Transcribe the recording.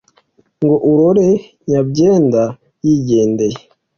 ngo urore nyabyenda yigendeye